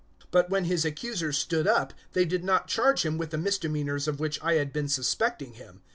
025:018 But, when his accusers stood up, they did not charge him with the misdemeanours of which I had been suspecting him.